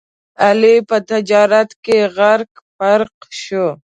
علي په تجارت کې غرق پرق شو.